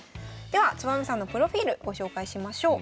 ではつばめさんのプロフィールご紹介しましょう。